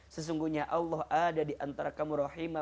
sesungguhnya allah ada diantara kamu rahima